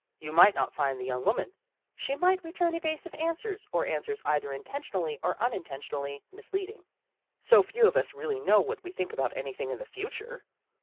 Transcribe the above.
You might not find the young woman. She might re turn evasive answers or answers either intentionally or unintentionally misleading so few of us really know what we think about anything in the future!